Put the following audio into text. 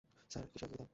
Sir, কীসের এত দ্বিধা?